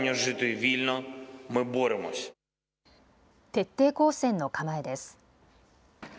徹底抗戦の構えです。